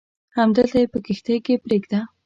همدلته یې په کښتۍ کې پرېږده.